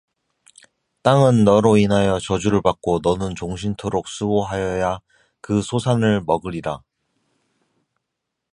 땅은 너로 인하여 저주를 받고 너는 종신토록 수고하여야 그 소산을 먹으리라